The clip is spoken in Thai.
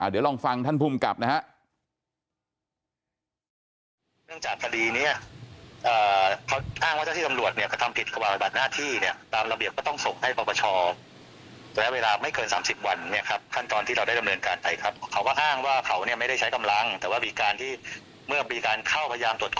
เดี๋ยวลองฟังท่านภูมิกับนะฮะ